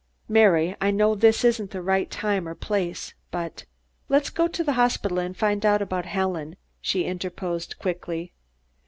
"Mary, I know this isn't the right time or place, but " "Let's go to the hospital and find out about Helen," she interposed quickly.